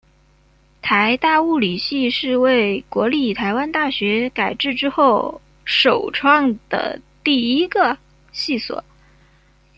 台大物理系是为国立台湾大学改制之后首创的第一个系所。